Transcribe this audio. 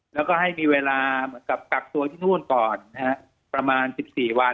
แล้วก็ให้มีเวลาเหมือนกับกักตัวที่นู่นก่อนนะฮะประมาณ๑๔วัน